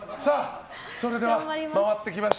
それでは回ってきました